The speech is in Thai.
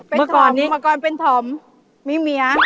ผมมาก่อนเป็นถอมมีเมีย